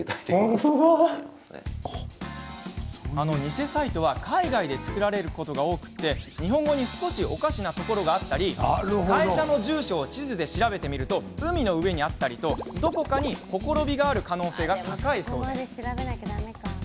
偽サイトは海外で作られることが多く日本語に少しおかしなところがあったり会社の住所を地図で調べてみると海の上にあったりとどこかに、ほころびがある可能性が高いそうです。